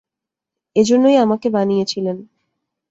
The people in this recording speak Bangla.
এজন্যই, আমাকে বানিয়েছিলেন।